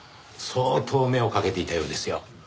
相当目をかけていたようですよ。